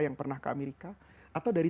yang pernah ke amerika atau dari